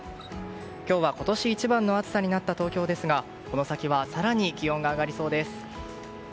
今日は、今年一番の暑さになった東京ですがこの先は更に気温が上がりそうです。